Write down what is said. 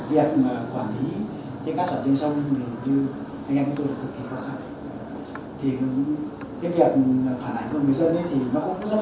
việc mà quản lý cái cá sở trên sông như anh em của tôi là cực kỳ khó khăn